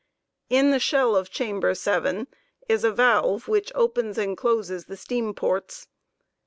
In the shell of chamber 7 is a valve (20) which opens and closes the steam ports.